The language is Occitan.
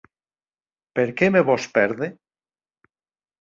Per qué me vòs pèrder?